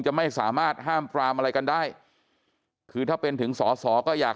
จะไม่สามารถห้ามปรามอะไรกันได้คือถ้าเป็นถึงสอสอก็อยาก